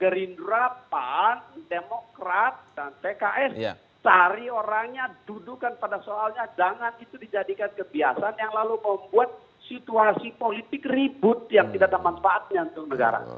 gerindrapa demokrat dan pks cari orangnya dudukkan pada soalnya jangan itu dijadikan kebiasaan yang lalu membuat situasi politik ribut yang tidak bermanfaatnya untuk negara